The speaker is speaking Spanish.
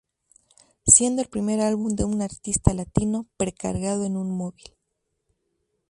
Siendo el primer álbum de un artista latino pre-cargado en un móvil.